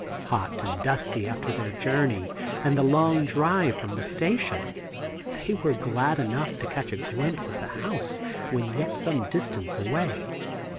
Hot and dusty after their journey and the long drive from the station, they were glad enough to catch a glimpse of the house when yet some distance away.